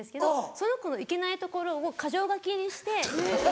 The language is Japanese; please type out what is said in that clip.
その子のいけないところを箇条書きにして。